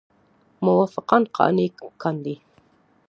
موافقان قانع کاندي.